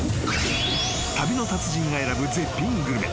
［旅の達人が選ぶ絶品グルメ］